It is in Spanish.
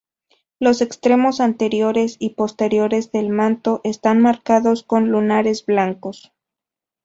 Los extremos anteriores y posteriores del manto están marcados con lunares blancos.